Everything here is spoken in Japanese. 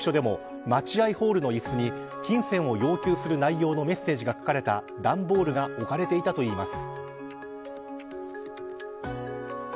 そして、倉敷市役所でも待合ホールの椅子に金銭を要求する内容のメッセージが書かれた段ボールが置かれていたといいます。